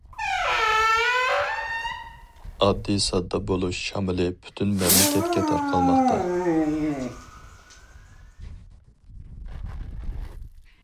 ئاددىي ساددا بولۇش شامىلى پۈتۈن مەملىكەتكە تارقالماقتا.